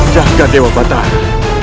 jaga dewa batara